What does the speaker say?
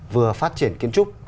vừa phát triển kiến trúc